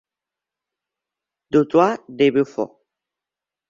Du Toit de Beaufort.